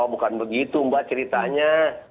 bukan begitu mbak ceritanya